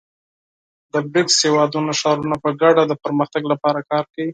د بریکس هېوادونو ښارونه په ګډه د پرمختګ لپاره کار کوي.